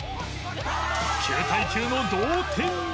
９対９の同点に